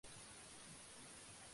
Solucionar el cambio climático.